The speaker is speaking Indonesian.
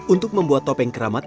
untuk membuat topeng keramatan